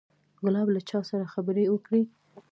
ګلاب له چا سره خبرې وکړې.